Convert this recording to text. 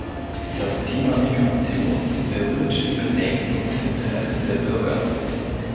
Das Thema Migration berührt die Bedenken und Interessen der Bürger.